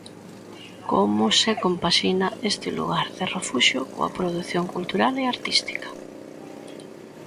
Como se compaxina este lugar de refuxio coa produción cultural e artística?